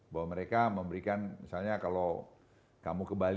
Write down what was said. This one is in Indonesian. bahwa mereka memberikan misalnya kalau kamu ke bali